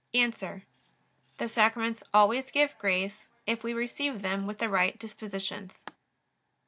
A. The Sacraments always give grace, if we receive them with the right dispositions.